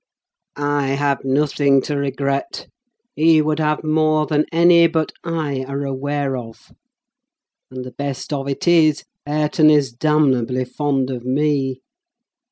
I have nothing to regret; he would have more than any, but I, are aware of. And the best of it is, Hareton is damnably fond of me!